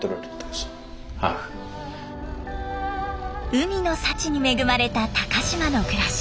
海の幸に恵まれた高島の暮らし。